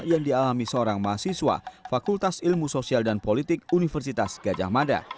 yang dialami seorang mahasiswa fakultas ilmu sosial dan politik universitas gajah mada